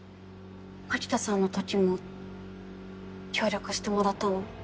槙田さんの時も協力してもらったの？